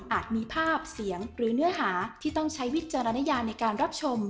มีภาพเสียงหรือเนื้อหาที่ต้องใช้วิจารณญาในการรับชม